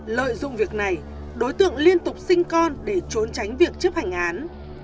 lợi dụng việc này đối tượng liên tục sinh con để trốn tránh việc chấp hành án